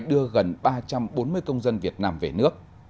đưa gần ba trăm bốn mươi công dân việt nam về nước